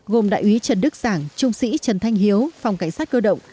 gồm đại úy trần đức giảng trung sĩ trần thanh hiếu phòng cảnh sát cơ động